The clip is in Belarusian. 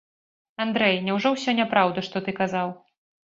Андрэй, няўжо ўсё няпраўда, што ты казаў?